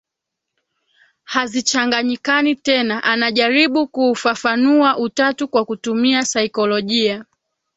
hazichanganyikani tena anajaribu kuufafanua Utatu kwa kutumia saikolojia